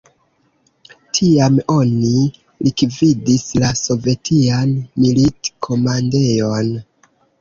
Tiam oni likvidis la sovetian milit-komandejon.